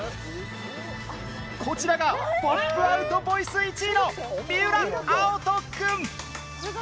こちらがポップアウトボイス１位の三浦碧斗くん。